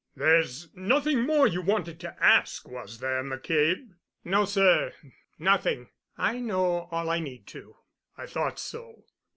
"There's nothing more you wanted to ask, was there, McCabe?" "No, sir, nothing. I know all I need to." "I thought so.